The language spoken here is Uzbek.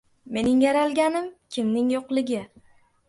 Mening yaralganim – kimning yo‘qligi